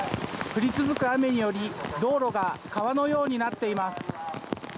降り続く雨により道路が川のようになっています。